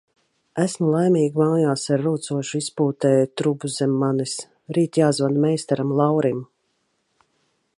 Esmu laimīgi mājās ar rūcošu izpūtēja trubu zem manis. Rīt jāzvana meistaram Laurim.